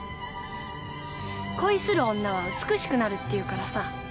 恋する女は美しくなるって言うからさ